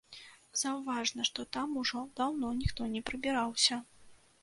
Заўважна, што там ужо даўно ніхто не прыбіраўся.